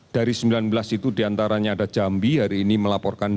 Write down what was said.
dari sembilan belas itu diantaranya ada jambi hari ini melaporkan dua dan sepuluh sembuh